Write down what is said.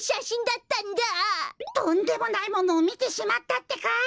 とんでもないものをみてしまったってか。